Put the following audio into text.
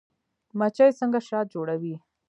مچۍ څنګه شات جوړوي؟